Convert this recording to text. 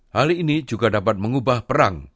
hal ini juga dapat mengubah perang